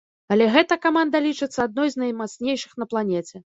Але гэта каманда лічыцца адной з наймацнейшых на планеце.